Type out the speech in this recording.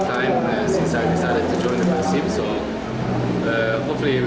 saya menunggu hari ini selama lama sejak saya memutuskan untuk bergabung dengan persib